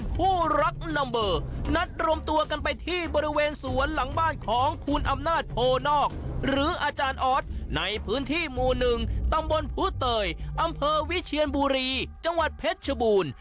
ผู้รักนัมเบอร์นัดรวมตัวกันไปที่บริเวณสวนหลังบ้านของคุณอำนาจโพนอกหรืออาจารย์ออสในพื้นที่หมู่๑ตำบลผู้เตยอำเภอวิเชียนบุรีจังหวัดเพชรชบูรณ์